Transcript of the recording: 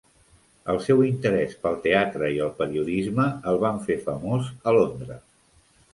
El seu interès pel teatre i el periodisme el van fer famós a Londres.